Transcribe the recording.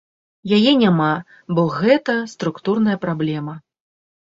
Яе няма, бо гэта структурная праблема.